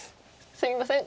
すいません。